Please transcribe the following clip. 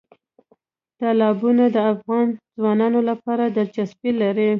تالابونه د افغان ځوانانو لپاره دلچسپي لري.